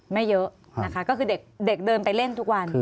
ไม่เยอะนะคะก็คือเด็กเดินไปเล่นทุกวัน